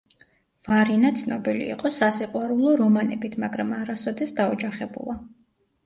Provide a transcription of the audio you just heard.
ვარინა ცნობილი იყო სასიყვარულო რომანებით, მაგრამ არასოდეს დაოჯახებულა.